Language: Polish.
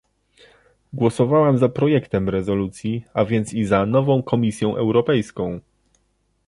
Głosowałam za projektem rezolucji, a więc i za nową Komisją Europejską